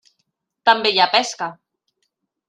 També hi ha pesca.